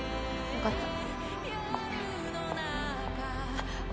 わかった。